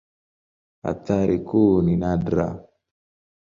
Athari kuu ni nadra.